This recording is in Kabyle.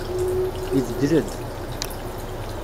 Ibeddel-d.